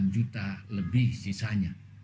delapan juta lebih sisanya